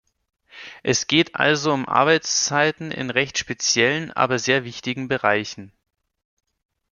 Es geht also um Arbeitszeiten in recht speziellen, aber sehr wichtigen Bereichen.